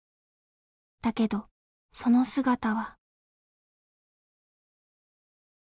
だけどその姿は。